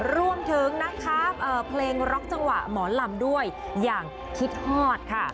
รวมถึงนะคะเพลงร็อกจังหวะหมอลำด้วยอย่างคิดฮอดค่ะ